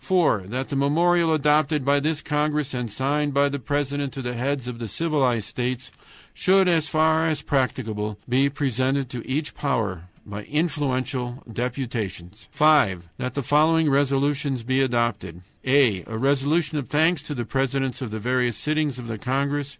"(4) That the memorial adopted by this congress and signed by the president to the heads of the civilized states should, as far as practicable, be presented to each power by influential deputations. "(5) That the following resolutions be adopted: "a. A resolution of thanks to the presidents of the various sittings of the congress.